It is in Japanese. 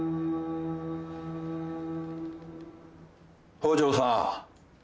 北條さん。